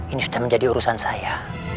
ini sudah menjadi urusan saya